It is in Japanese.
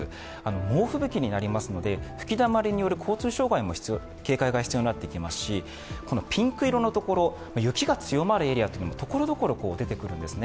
猛吹雪になりますので、吹きだまりによる交通障害にも警戒が必要になってきますし、ピンク色のところ、雪が強まるエリアがところどころ出てくるんですね。